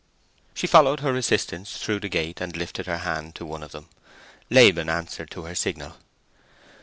She followed her assistants through the gate, and lifted her hand to one of them. Laban answered to her signal.